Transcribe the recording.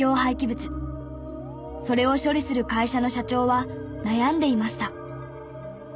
それを処理する会社の社長は悩んでいました。